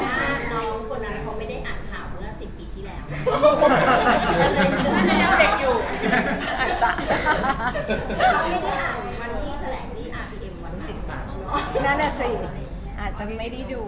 ถ้าน้องคนนั้นเขาไม่ได้อ่านข่าวเมื่อ๑๐ปีที่แล้ว